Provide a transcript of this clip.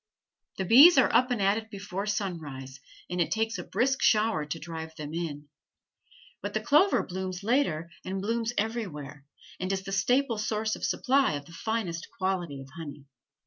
The bees are up and at it before sunrise, and it takes a brisk shower to drive them in. But the clover blooms later and blooms everywhere, and is the staple source of supply of the finest quality of honey.